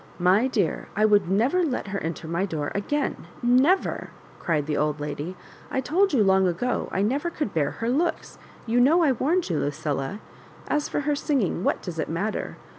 "My dear, I would never let her enter my door again — never 1 " cried the old lady ;" I told you long ago I never could bear her looks — ^you know I warned you, Lucilla. As for her singing, what does it matter?